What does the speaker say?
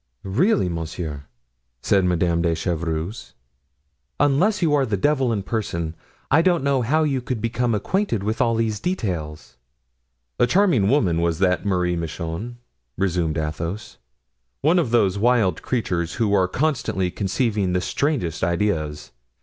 "Really, monsieur," said Madame de Chevreuse, "unless you are the devil in person I don't know how you could become acquainted with all these details." "A charming woman was that Marie Michon," resumed Athos, "one of those wild creatures who are constantly conceiving the strangest ideas.